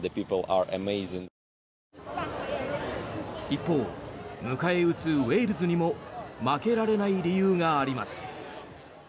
一方、迎え撃つウェールズにも負けられない理由があります。